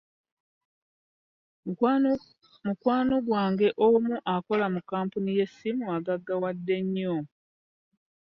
Mukwano gwange omu akola mu kkampuni y'essimu agaggawadde nnyo.